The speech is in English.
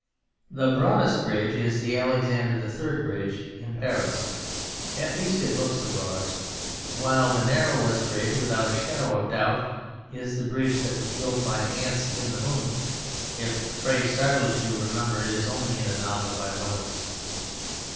The broadest bridge is the Alexandre III Bridge in Paris, at least it looks the broadest, while the narrowest bridge, without a shadow of doubt, is the bridge that was built by ants in the moon; if the phrase startles you remember it is only in a novel by Wells.